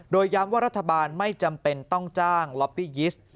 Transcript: โดยย้ำว่ารัฐบาลไม่จำเป็นต้องจ้างล็อปปี้ยิสต์